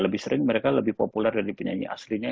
lebih sering mereka lebih populer dari penyanyi aslinya